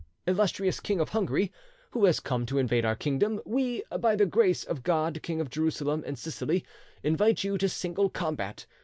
"Illustrious King of Hungary, who has come to invade our kingdom, we, by the grace of God King of Jerusalem and Sicily, invite you to single combat.